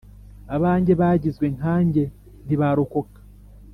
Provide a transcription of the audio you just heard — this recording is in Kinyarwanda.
Abanjye bagizwe nkanjye ntibarokoka